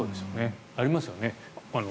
ありますよね。